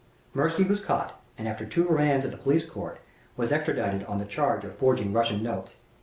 Mirsky was caught, and, after two remands at the police court, was extradited on the charge of forging Russian notes.